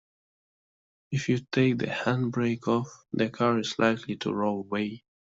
If you take the handbrake off, the car is likely to roll away